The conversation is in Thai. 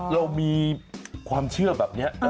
เรามีความเชื่อแบบนี้